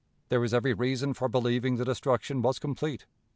There is every reason for believing the destruction was complete."